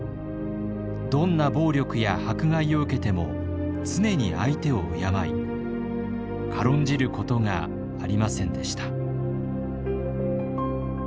どんな暴力や迫害を受けても常に相手を敬い軽んじることがありませんでした。